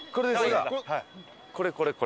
これこれこれ。